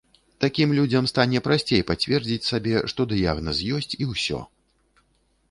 Такім людзям стане прасцей пацвердзіць сабе, што дыягназ ёсць, і ўсё!